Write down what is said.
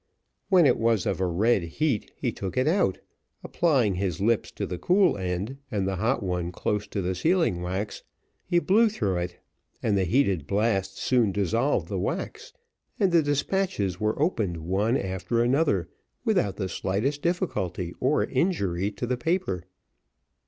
When it was of a red heat he took it out, and applying his lips to the cool end, and the hot one close to the sealing wax, he blew through it, and the heated blast soon dissolved the wax, and the despatches were opened one after another without the slightest difficulty or injury to the paper.